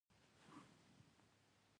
فلم باید د ژوند آیینه وي